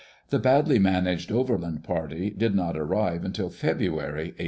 The badly managed overland party did not arrive until February, 1812.